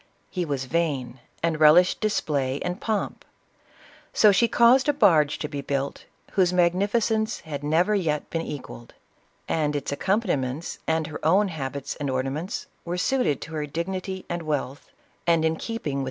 He was vain, and relished display and pomp ;— so she caused a barge to be built, whose mag nificence had never yet been equalled ; and its accom paniments, and her own habits and ornaments, were suited to her dignity and wealth, and in keeping with CLEOPATRA.